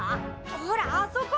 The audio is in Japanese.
ほらあそこ！